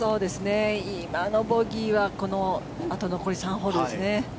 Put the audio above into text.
今のボギーはあと残り３ホールですね。